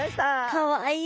かわいい。